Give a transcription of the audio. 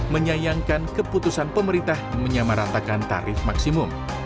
menyayangkan keputusan pemerintah menyamaratakan tarif maksimum